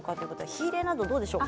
火入れなど、いかがでしょう。